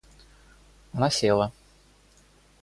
Она села.